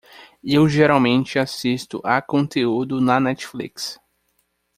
Eu geralmente assisto à conteúdo na Netflix.